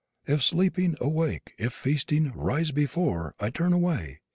If sleeping, awake; if feasting, rise before I turn away.